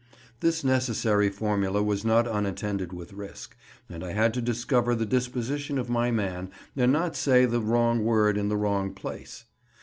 This necessary formula was not unattended with risk, and I had to discover the disposition of my man and not say the wrong word in the wrong place.